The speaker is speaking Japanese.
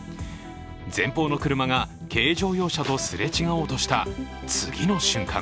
前方の車が軽乗用車とすれ違おうとした、次の瞬間